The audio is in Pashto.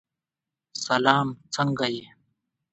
سلام! څنګه یې؟